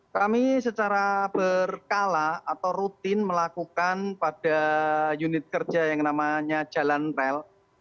kami secara berkala atau rutin melakukan pada unit kerja yang namanya jalan rel